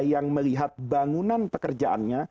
yang melihat bangunan pekerjaannya